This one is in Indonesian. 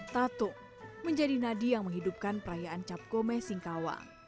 tatung menjadi nadi yang menghidupkan perayaan capcomay singkawa